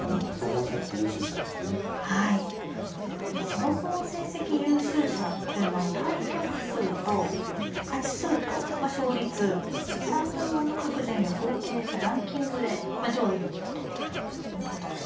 総合成績優秀者というのは対局数と勝ち数と勝率３部門の各順位を合計したランキングでまあ上位に来たということで。